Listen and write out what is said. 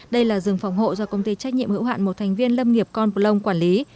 đây là rừng phòng hộ do công ty trách nhiệm hữu hạn một thành viên lâm nghiệp con plong quản lý